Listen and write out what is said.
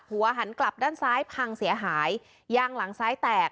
หันกลับด้านซ้ายพังเสียหายยางหลังซ้ายแตก